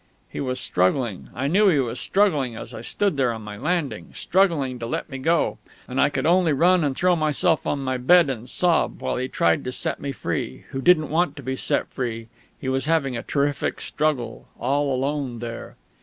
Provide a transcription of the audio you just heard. He was struggling I knew he was struggling as I stood there on my landing struggling to let me go. And I could only run and throw myself on my bed and sob, while he tried to set me free, who didn't want to be set free ... he was having a terrific struggle, all alone there....